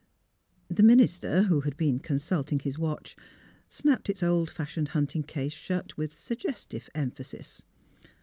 The minister, who had been consulting his watch, snapped its old fashioned hunting case shut with suggestive emphasis.